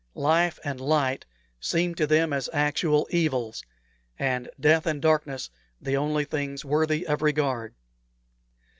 Life and light seemed to them as actual evils, and death and darkness the only things worthy of regard.